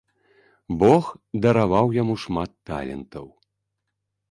Бог дараваў яму шмат талентаў.